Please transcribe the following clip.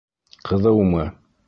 Ҡыҙыумы?